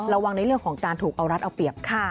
ระวังในเรื่องของการถูกเอารัดเอาเปรียบ